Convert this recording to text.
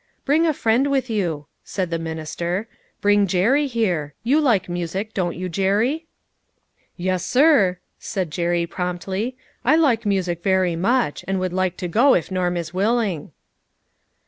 " Bring a friend with you," said the minister. " Bring Jerry, here ; you like music, don't you, Jerry ?"" Yes, sir," said Jerry promptly ;" I like music very much, and I would like to go if Norm is willing."